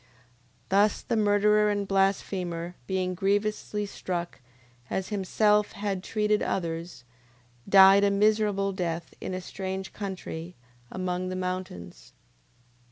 9:28. Thus the murderer and blasphemer being grievously struck, as himself had treated others, died a miserable death in a strange country, among the mountains.